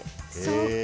そうか！